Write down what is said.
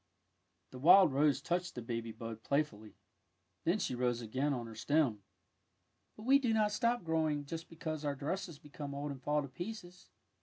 '^ The wild rose touched the baby bud play fully. Then she rose again on her stem. " But we do not stop growing just because our dresses become old and fall to pieces.